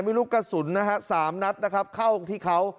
ไม่รู้กระสุนนะฮะสามนัดนะครับเข้าที่เขา